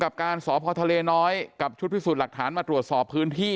กับการสพทะเลน้อยกับชุดพิสูจน์หลักฐานมาตรวจสอบพื้นที่